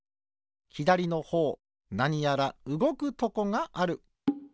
ひだりのほうなにやらうごくとこがある。